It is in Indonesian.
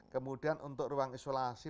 kemudian untuk ruang isolasi